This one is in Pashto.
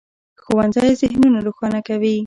ښوونځی ذهنونه روښانه کوي.